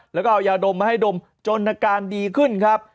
แล้วก็เอายาดมมาให้ดมจนอาการดีขึ้นครับ